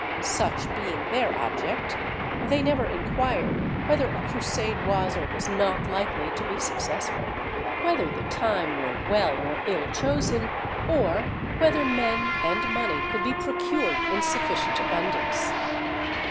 Such being their object, they never inquired whether a Crusade was or was not likely to be successful, whether the time were well or ill chosen, or whether men and money could be procured in sufficient abundance.